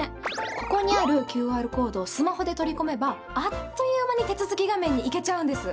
ここにあるＱＲコードをスマホで取り込めばあっという間に手続き画面に行けちゃうんです。